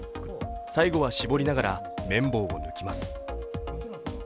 最後は絞りながら綿棒を抜きます。